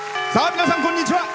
皆さん、こんにちは。